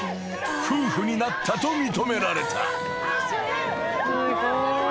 夫婦になったと認められた］